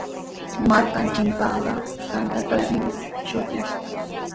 Markanchikpaqa Santa Clarami shutin.